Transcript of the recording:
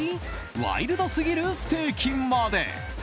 ワイルドすぎるステーキまで！